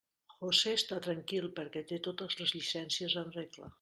José està tranquil, perquè té totes les llicències en regla.